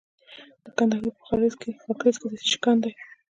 د کندهار په خاکریز کې د څه شي کان دی؟